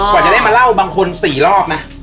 กว่าจะได้มาเล่าบางคน๔รอบนะ